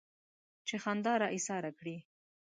چې خندا را ايساره کړي.